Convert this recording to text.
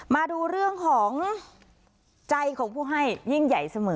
มาดูเรื่องของใจของผู้ให้ยิ่งใหญ่เสมอ